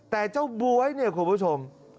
แต่เจ้าบ๊วยคุณผู้ชม